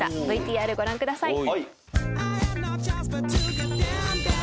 ＶＴＲご覧ください。